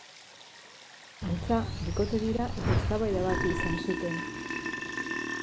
Antza, bikote dira eta eztabaida bat izan zuten.